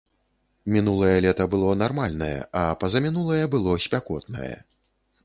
Мінулае лета было нармальнае, а пазамінулае было спякотнае.